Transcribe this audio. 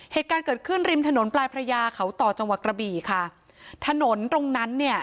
เหตุการณ์เกิดขึ้นริมถนนปลายพระยาเขาต่อจังหวัดกระบี่ค่ะถนนตรงนั้นเนี่ย